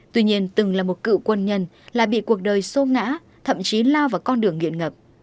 tuy nhiên từng là một cựu quân nhân lại bị cuộc đời sô ngã thậm chí lao vào con đường nghiện ngập